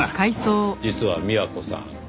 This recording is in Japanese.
実は美和子さん。